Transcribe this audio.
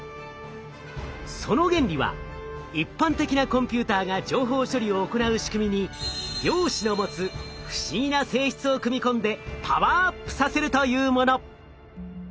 その原理は一般的なコンピューターが情報処理を行う仕組みに量子の持つ不思議な性質を組み込んでパワーアップさせるというもの。